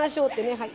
はい。